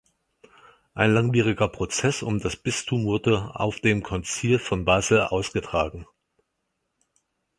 Ein langwieriger Prozess um das Bistum wurde auf dem Konzil von Basel ausgetragen.